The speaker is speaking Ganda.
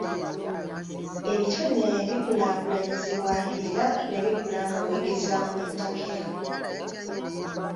Ebitone bikulaakulanyizibwa era ne bikula nga weegezaamu entakera.